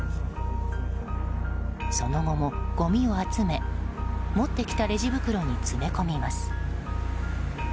その後もごみを集め持ってきたレジ袋に詰め込みます。